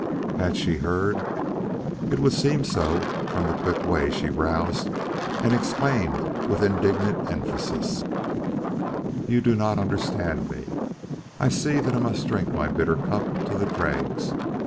Had she heard? It would seem so from the quick way she roused and exclaimed with indignant emphasis: "You do not understand me! I see that I must drink my bitter cup to the dregs.